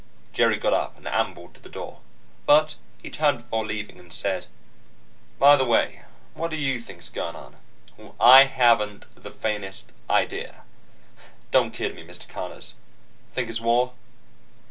Jerry got up and ambled to the door. But he turned before leaving and said: "By the way. What do you think is going on?" "I haven't the faintest idea." "Don't kid me, Mr. Conners. Think it's war?"